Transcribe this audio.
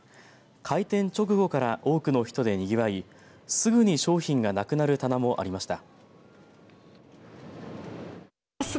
開店直後から多くの人でにぎわいすぐに商品がなくなる棚もありました。